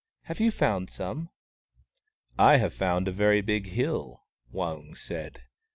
" Have you found some ?"" I have found a very big hill," Waung said.